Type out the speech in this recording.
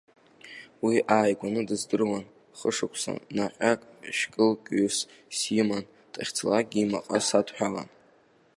Уи ааигәаны дыздыруан, хышықәса наҟьак шькылкҩыс симан, дахьцалакгьы имаҟа садҳәалан.